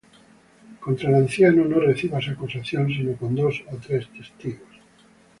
Contra el anciano no recibas acusación sino con dos ó tres testigos.